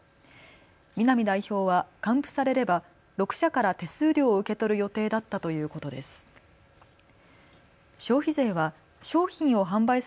南代表は還付されれば６社から手数料を受け取る予定だったということです。